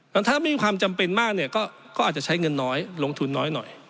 แล้วถ้าไม่มีความจำเป็นมากเนี่ยก็อาจจะใช้เงินน้อยลงทุนน้อยหน่อย